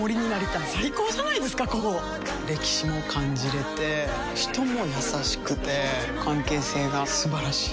歴史も感じれて人も優しくて関係性が素晴らしい。